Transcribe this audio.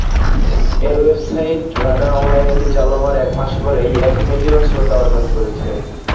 এর website radar online এটি চালু হওয়ার এক মাস পরেই এক মিলিয়ন শ্রোতা অর্জন করেছে।